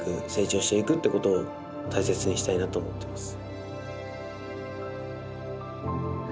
いうことを大切にしたいなと思ってます。